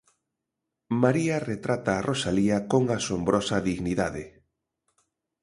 María retrata a Rosalía con asombrosa dignidade.